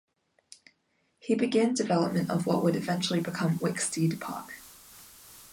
He began development of what would eventually become Wicksteed Park.